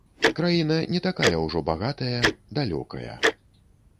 Краіна не такая ўжо багатая, далёкая.